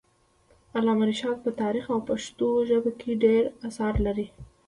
علامه رشاد په تاریخ او پښتو ژبه کي ډير اثار لري.